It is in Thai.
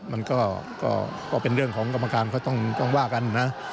มันก็เป็นเรื่องของกรรมการก็ต้องว่ากันนะ